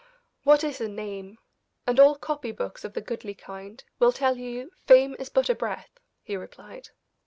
"What is a name? and all copy books of the goodly kind will tell you 'Fame is but a breath,'" he replied.